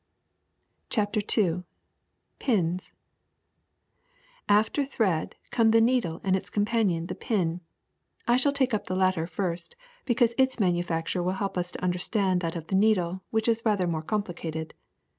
'' CHAPTER n PINS a A pTER thread, come the needle and its com A panion the pin. I shall take up the latter first, because its manufacture will help us to understand that of the needle, which is rather more complicated.